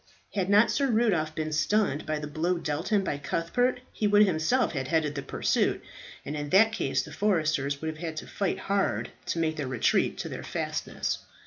Had not Sir Rudolph been stunned by the blow dealt him by Cuthbert, he would himself have headed the pursuit, and in that case the foresters would have had to fight hard to make their retreat to their fastness.